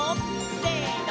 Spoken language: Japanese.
せの！